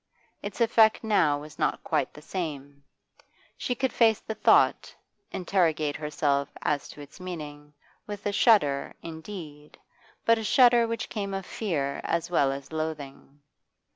Its effect now was not quite the same; she could face the thought, interrogate herself as to its meaning, with a shudder, indeed, but a shudder which came of fear as well as loathing.